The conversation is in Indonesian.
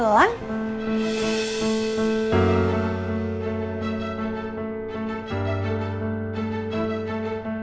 au sudah bangun